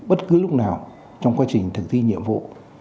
bất cứ lúc nào trong quá trình thực thi nhiệm vụ